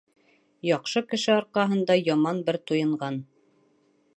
Яҡшы кеше арҡаһында яман бер туйынған.